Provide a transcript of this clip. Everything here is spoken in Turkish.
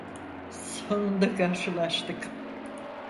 Sonunda karşılaştık.